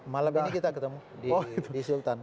malam ini kita ketemu di sultan